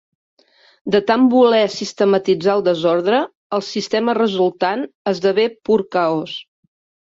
De tant voler sistematitzar el desordre, el sistema resultant esdevé pur caos.